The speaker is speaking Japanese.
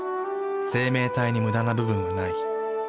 生命体にムダな部分はない。